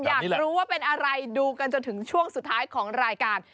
อยากรู้ว่าเป็นอะไรดูกันจนถึงช่วงสุดท้ายของรายการ